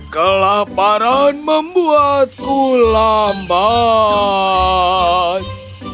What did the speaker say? kelaparan membuatku lambat